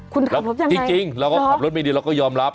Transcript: คุณรับยังไงจริงเราก็ขับรถไม่ดีเราก็ยอมรับ